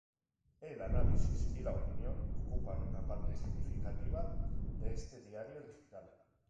El análisis y la opinión ocupan una parte significativa de este diario digital.